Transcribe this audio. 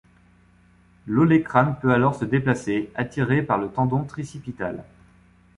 L'olécrane peut alors se déplacer, attiré par le tendon tricipital.